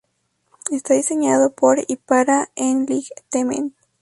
Está diseñado por y para Enlightenment.